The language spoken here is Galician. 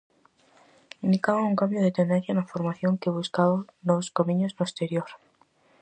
Indicaba un cambio de tendencia na formación que buscaba novos camiños no exterior.